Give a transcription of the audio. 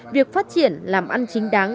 việc phát triển làm ăn chính đáng